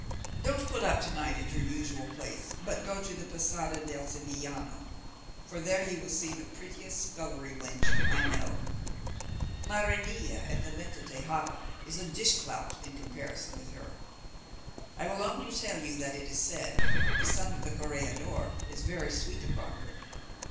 Don't put up to night at your usual place, but go to the Posada del Sevillano, for there you will see the prettiest scullery wench I know. Marinilla at the Venta Tejada is a dishclout in comparison with her. I will only tell you that it is said the son of the corregidor is very sweet upon her.